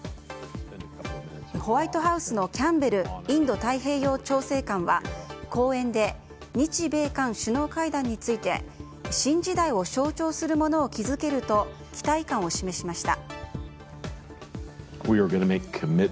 ホワイトハウスのキャンベルインド太平洋調整官は講演で日米韓首脳会談について新時代を象徴するものを築けると期待感を示しました。